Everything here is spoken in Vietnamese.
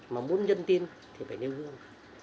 mà muốn dân tin thì phải nêu gương